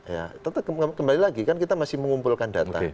ya tetap kembali lagi kan kita masih mengumpulkan data